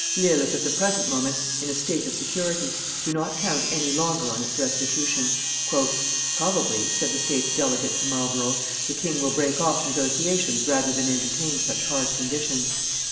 Lille is at the present moment in a state of security; do not count any longer on its restitution." "Probably," said the States' delegate to Marlborough, "the king will break off negotiations rather than entertain such hard conditions."